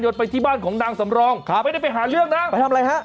ไปที่บ้านของนางสำรองครับไม่ได้ไปหาเรื่องนะไปทำอะไรฮะ